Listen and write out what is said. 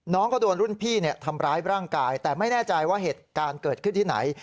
น้องก็โดนรุ่นพี่ทำร้ายร่างกายแต่ไม่แน่ใจว่าเหตุการณ์เกิดขึ้นที่ไหน